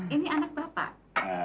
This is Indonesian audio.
ini anak bapak